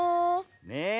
ねえ。